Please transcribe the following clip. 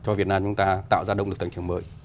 cho việt nam chúng ta tạo ra động lực tăng trưởng mới